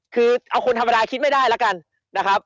คือเอาคนธรรมดาคิดไม่ได้แล้วกันนะครับ